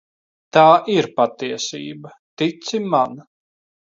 Tā ir patiesība, tici man.